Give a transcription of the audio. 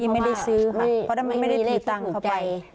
ไม่ได้ซื้อเพราะไม่ได้ถูกใจ